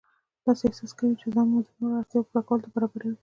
داسې احساس کوئ چې ځان مو د نورو اړتیاوو پوره کولو ته برابروئ.